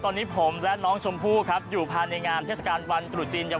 โอ้โหคึกคักด้วยค่ะ